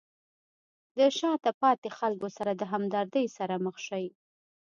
د شاته پاتې خلکو سره د همدردۍ سره مخ شئ.